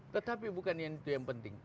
tetapi bukan yang itu yang penting